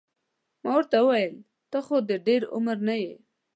ما ورته وویل ته خو د ډېر عمر نه یې.